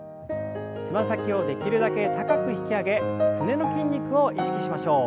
つま先をできるだけ高く引き上げすねの筋肉を意識しましょう。